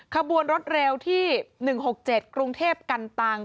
ขบวนรถเร็วที่๑๖๗กรุงเทพกันตัง